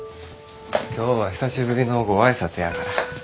今日は久しぶりのご挨拶やから。